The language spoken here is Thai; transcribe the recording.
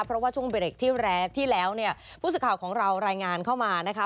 เพราะว่าช่วงเบรกที่แล้วเนี่ยผู้สื่อข่าวของเรารายงานเข้ามานะคะ